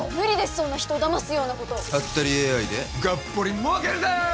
そんな人をだますようなことはったりＡＩでがっぽりもうけるぞ！